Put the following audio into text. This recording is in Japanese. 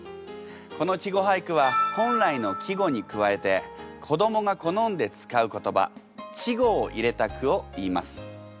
この稚語俳句は本来の季語に加えて子どもが好んで使う言葉稚語を入れた句をいいます。